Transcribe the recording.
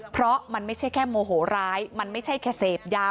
เพราะมันไม่ใช่แค่โมโหร้ายมันไม่ใช่แค่เสพยา